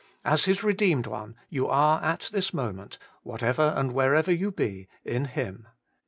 As His redeemed one, you are at this moment, whatever and wherever you be, In Him.